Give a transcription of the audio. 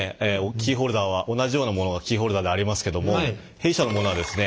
キーホルダーは同じようなものがキーホルダーでありますけども弊社のものはですね